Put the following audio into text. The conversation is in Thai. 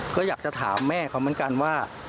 ก็อยากจะถามแม่เขาเหมือนกันว่า